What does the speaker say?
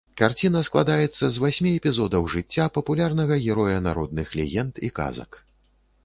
Карціна складаецца з васьмі эпізодаў жыцця папулярнага героя народных легенд і казак.